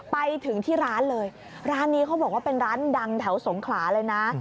ไปถึงที่ร้านเลยร้านนี้เขาบอกว่าเป็นร้านดังแถวสงขลาเลยนะ